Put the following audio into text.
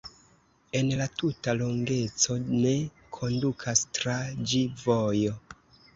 En la tuta longeco ne kondukas tra ĝi vojo.